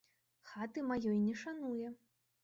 Хаты маёй не шануе.